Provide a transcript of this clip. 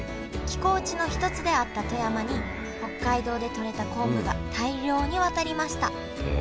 寄港地の一つであった富山に北海道でとれた昆布が大量に渡りました。